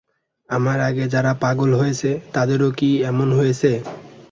আমার আগে যারা পাগল হয়েছে তাদেরও কি এমন হয়েছে?